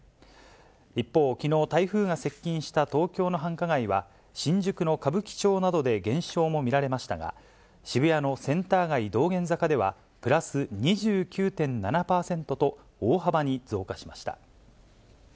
一方、きのう台風が接近した東京の繁華街は、新宿の歌舞伎町などで減少も見られましたが、渋谷のセンター街、道玄坂では、プラス２９．７％と、大幅に増加しました。